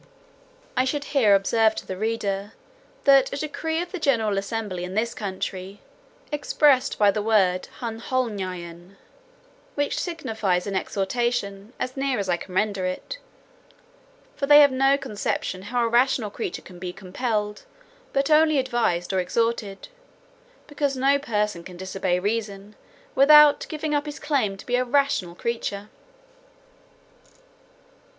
I should here observe to the reader, that a decree of the general assembly in this country is expressed by the word hnhloayn, which signifies an exhortation, as near as I can render it; for they have no conception how a rational creature can be compelled, but only advised, or exhorted; because no person can disobey reason, without giving up his claim to be a rational creature.